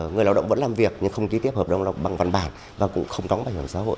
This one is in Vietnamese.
người lao động vẫn làm việc nhưng không ký tiếp hợp đồng lao bằng văn bản và cũng không đóng bảo hiểm xã hội